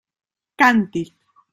Càntic.